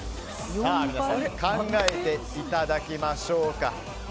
皆さん考えていただきましょうか。